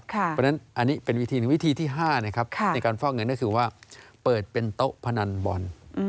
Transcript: เพราะฉะนั้นอันนี้เป็นวิธีหนึ่งวิธีที่๕นะครับในการฟอกเงินก็คือว่าเปิดเป็นโต๊ะพนันบอล